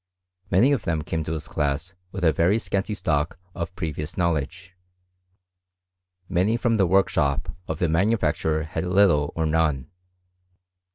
Many of them came to his class with a very scanty stock of previous knowledge. Many from the workshop of the manufacturer had little or none.